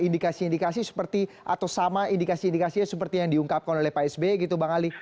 indikasi indikasi seperti atau sama indikasi indikasinya seperti yang diungkapkan oleh pak sby gitu bang ali